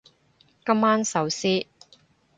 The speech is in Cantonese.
今晚壽司